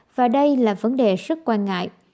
và đây là vấn đề rất quan ngại